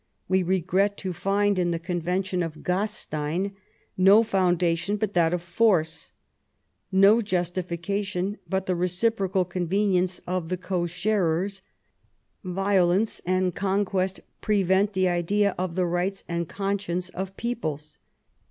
... We regret to find in the Convention of Gastein no foundation but that of force, no justi fication but the reciprocal convenience of the co sharers : violence and conquest prevent the idea of the rights and conscience of peoples."